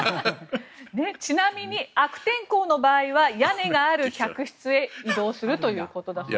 ちなみに悪天候の場合は屋根がある客室へ移動するということです。